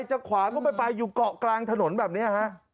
จะขวาก็ไม่ไปอยู่เกาะกลางถนนแบบนี้ฮะ